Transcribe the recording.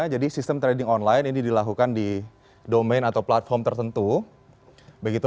sistem trading online ini dilakukan di domain atau platform tertentu begitu